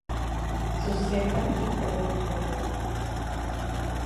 Su cepa tipo es Marburg.